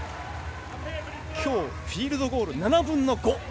きょうフィールドゴール７分の５。